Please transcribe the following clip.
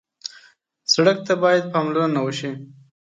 سړک ته باید پاملرنه وشي.